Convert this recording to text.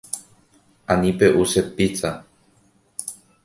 Ani pe’u che pizza.